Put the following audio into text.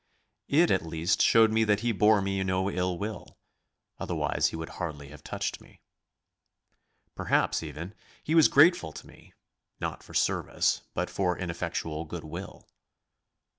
It at least showed me that he bore me no ill will, otherwise he would hardly have touched me. Perhaps, even, he was grateful to me, not for service, but for ineffectual good will.